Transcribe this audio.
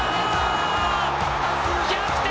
逆転